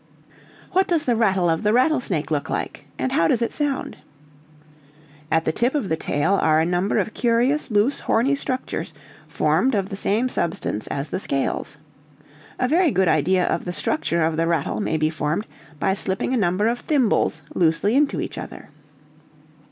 "What does the rattle of the rattlesnake look like? and how does it sound?" "At the tip of the tail are a number of curious, loose, horny structures formed of the same substance as the scales. A very good idea of the structure of the rattle may be formed by slipping a number of thimbles loosely into each other.